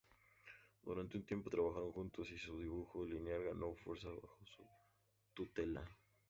Durante un tiempo trabajaron juntos y su dibujo lineal ganó fuerza bajo su tutela.